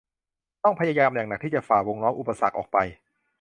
ต้องพยายามอย่างหนักที่จะฝ่าวงล้อมอุปสรรคออกไป